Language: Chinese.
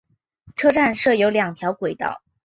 车站设有两条轨道。